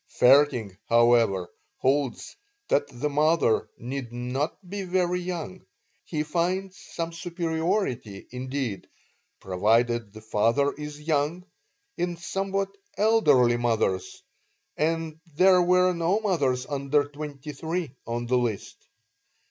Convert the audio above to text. Vaerting, however, holds that the mother need not be equally young; he finds some superiority, indeed, provided the father is young, in somewhat elderly mothers, and there were no mothers under twenty three on the list.